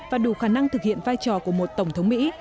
và đủ khả năng thực hiện vai trò của một tổng thống mỹ